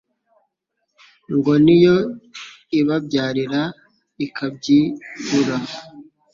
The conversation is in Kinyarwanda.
Ngo ni yo ibabyarira ikabyirura